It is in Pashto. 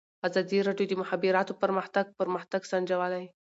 ازادي راډیو د د مخابراتو پرمختګ پرمختګ سنجولی.